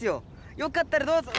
よかったらどうぞ！